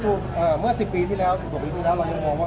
ซึ่งเมื่อสิบปีที่แล้วสิบประวัติศาสตร์เรายังมองว่า